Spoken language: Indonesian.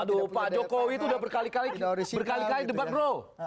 aduh pak jokowi itu udah berkali kali berkali kali debat bro